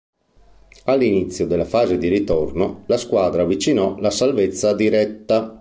All'inizio della fase di ritorno, la squadra avvicinò la salvezza diretta.